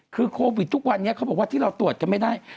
คือโควิดทุกวันนี้เขาบอกว่าที่เราตรวจกันไม่ได้